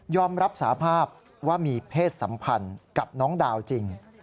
รับสาภาพว่ามีเพศสัมพันธ์กับน้องดาวจริง